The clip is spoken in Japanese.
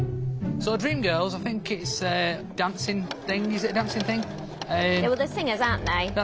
そう。